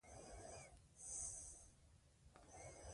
دا یو تلپاتې پیغام دی.